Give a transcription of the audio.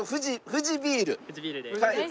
富士ビールで。